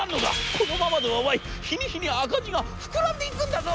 『このままではお前日に日に赤字が膨らんでいくんだぞ！』。